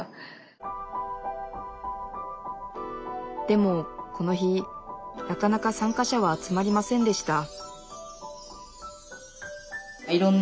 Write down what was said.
でもこの日なかなか参加者は集まりませんでした